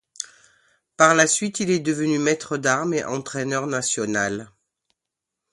Par la suite, il est devenu maître d'armes et entraîneur national.